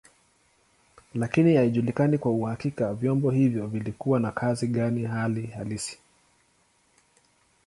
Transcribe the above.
Lakini haijulikani kwa uhakika vyombo hivyo vilikuwa na kazi gani hali halisi.